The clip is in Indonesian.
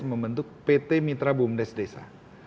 membentuk pt mitra bumdes desa